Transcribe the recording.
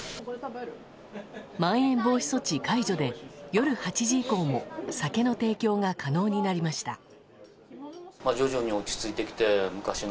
まん延防止措置解除で夜８時以降も酒の提供が可能になりました。